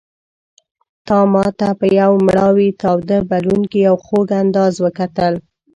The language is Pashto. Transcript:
تا ماته په یو مړاوي تاوده بلوونکي او خوږ انداز وکتل.